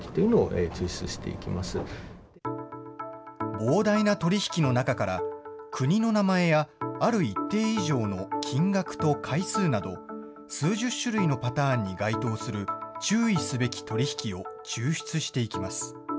膨大な取り引きの中から、国の名前や、ある一定以上の金額と回数など、数十種類のパターンに該当する、注意すべき取り引きを抽出していきます。